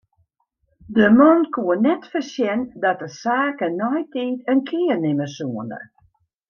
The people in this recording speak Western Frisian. De man koe net foarsjen dat de saken neitiid in kear nimme soene.